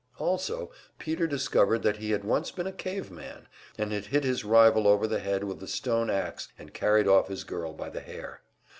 Also Peter discovered that he had once been a caveman, and had hit his rival over the head with a stone axe and carried off his girl by the hair.